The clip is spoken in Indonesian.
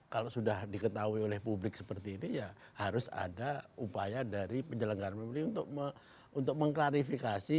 kalau sudah diketahui oleh publik seperti ini ya harus ada upaya dari penyelenggaraan pemilu untuk mengklarifikasi